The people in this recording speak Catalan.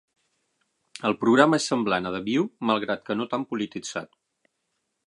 El programa és semblant a "The View", malgrat que no tan polititzat.